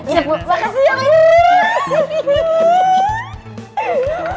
siap bu makasih ya bu